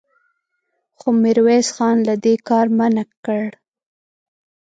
خو ميرويس خان له دې کاره منع کړ.